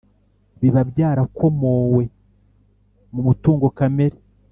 Biba byarakomowe mu mutungo kamere